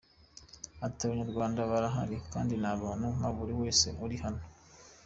Ati “Abanyarwanda barahari kandi ni abantu nka buri wese uri aha.